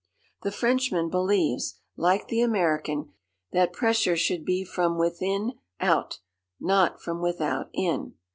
The Frenchman believes, like the American, that pressure should be from within out, not from without in.